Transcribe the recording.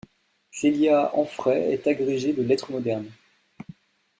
Clélia Anfray est agrégée de lettres modernes.